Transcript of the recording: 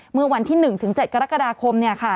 เมื่อวันที่๑๗กรกฎาคม